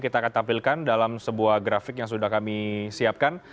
kita akan tampilkan dalam sebuah grafik yang sudah kami siapkan